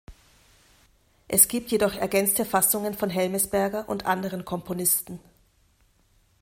Es gibt jedoch ergänzte Fassungen von Hellmesberger und anderen Komponisten.